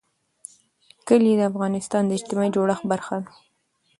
کلي د افغانستان د اجتماعي جوړښت برخه ده.